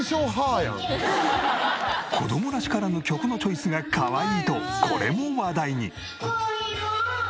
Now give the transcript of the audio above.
子供らしからぬ曲のチョイスがかわいいとこれも話題に。